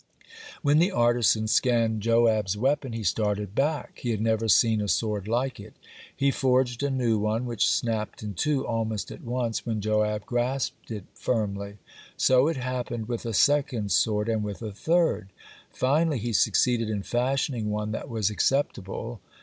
When the artisan scanned Joab's weapon, he started back—he had never seen a sword like it. He forged a new one, which snapped in two almost at once when Joab grasped it firmly. So it happened with a second sword, and with a third. Finally he succeeded in fashioning one that was acceptable.